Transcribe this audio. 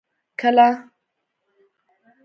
کله.